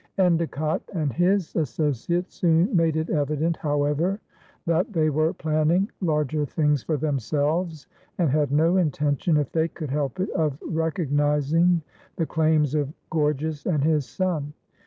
Endecott and his associates soon made it evident, however, that they were planning larger things for themselves and had no intention, if they could help it, of recognizing the claims of Gorges and his son.